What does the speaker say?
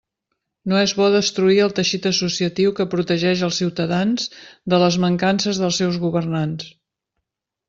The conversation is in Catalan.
No és bo destruir el teixit associatiu que protegeix els ciutadans de les mancances dels seus governants.